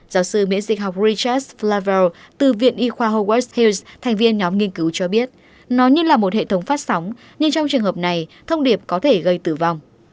giáo sư miễn dịch học rechas flaver từ viện y khoa huaweid huls thành viên nhóm nghiên cứu cho biết nó như là một hệ thống phát sóng nhưng trong trường hợp này thông điệp có thể gây tử vong